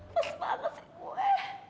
pes banget sih gue